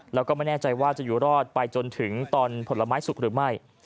แล้วก็ไม่แน่ใจว่าจะอยู่รอดไปจนถึงตอนผลไม้สุกหรือไม่